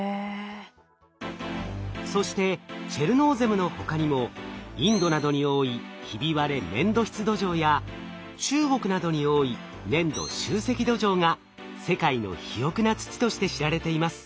そしてチェルノーゼムの他にもインドなどに多いひび割れ粘土質土壌や中国などに多い粘土集積土壌が世界の肥沃な土として知られています。